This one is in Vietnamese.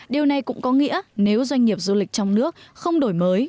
điều này cũng có nghĩa nếu doanh nghiệp du lịch trong nước không đổi mới